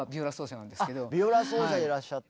あっビオラ奏者でいらっしゃった。